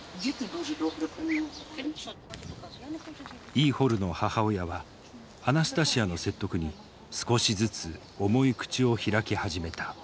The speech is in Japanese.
イーホルの母親はアナスタシヤの説得に少しずつ重い口を開き始めた。